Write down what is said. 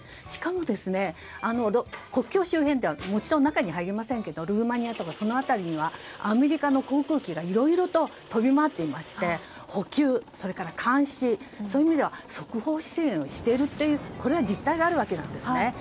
しかも国境周辺はもちろん中に入れませんがルーマニア辺りにはアメリカの航空機がいろいろと飛び回っていまして補給それから監視そういう意味では即応支援をしているという実態があるわけなんですね。